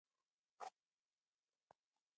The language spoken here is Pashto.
هغه د خپلو ځواکونو لارښوونه وکړه.